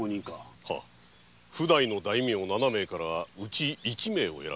譜代の大名七名からうち一名を選びます。